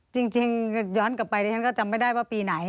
จริงย้อนกลับไปดิฉันก็จำไม่ได้ว่าปีไหน